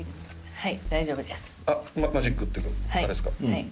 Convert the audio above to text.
はい？